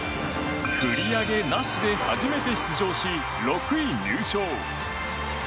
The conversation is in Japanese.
繰り上げなしで初めて出場し６位入賞。